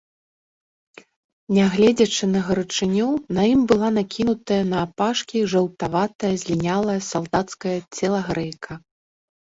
Нягледзячы на гарачыню, на ім была накінутая наапашкі жаўтаватая, злінялая салдацкая целагрэйка.